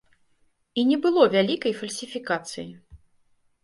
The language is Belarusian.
І не было вялікай фальсіфікацыі.